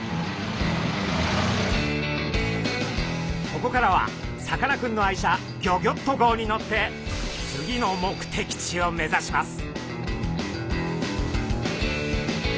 ここからはさかなクンの愛車ギョギョッと号に乗って次の目的地を目指します。